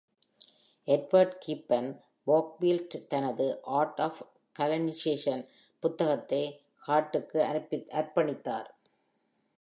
Edward Gibbon Wakefield தனது "art of colonisation" புத்தகத்தை ஹட்டுக்கு அர்ப்பணித்தார்.